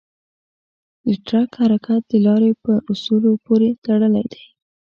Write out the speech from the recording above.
د ټرک حرکت د لارې په اصولو پورې تړلی دی.